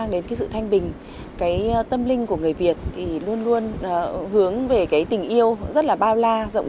đã xuất hiện khóm tre đắng